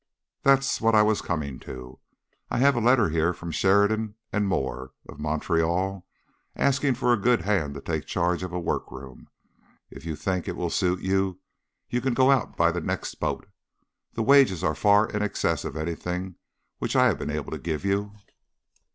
"That's what I was coming to. I have a letter here from Sheridan and Moore, of Montreal, asking for a good hand to take charge of a workroom. If you think it will suit you, you can go out by the next boat. The wages are far in excess of anything which I have been able to give you."